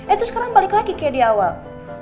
eh terus sekarang balik lagi kayak di awal